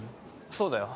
そうだよ。